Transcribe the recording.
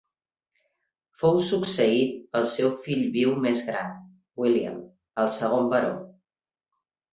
Fou succeït pel seu fill viu més gran, William, el segon baró.